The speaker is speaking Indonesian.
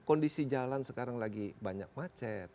kondisi jalan sekarang lagi banyak macet